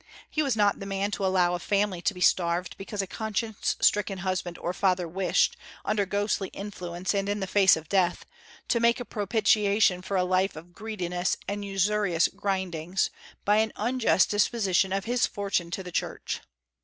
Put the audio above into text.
He was not the man to allow a family to be starved because a conscience stricken husband or father wished, under ghostly influences and in face of death, to make a propitiation for a life of greediness and usurious grindings, by an unjust disposition of his fortune to the Church.